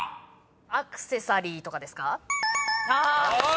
「アクセサリー」とかですか？